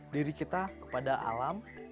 diri kita kepada alam